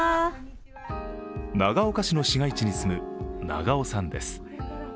長岡市の市街地に住む長尾さんです。